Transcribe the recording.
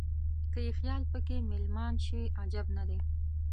که یې خیال په کې مېلمان شي عجب نه دی.